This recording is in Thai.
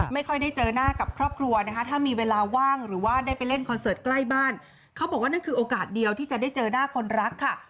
ไม่ค่อยได้เจอหน้ากับครอบครัวนะคะถ้ามีเวลาว่างหรือว่าได้ไปเล่นคอนเสิร์ตใกล้บ้านเขาบอกว่านั่นคือโอกาสเดียวที่จะได้เจอหน้าคนรักค่ะ